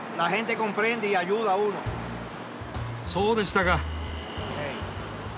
そうでしたか。